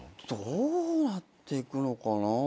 どうなっていくのかな。